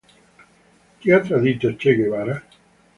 Chi ha tradito Che Guevara?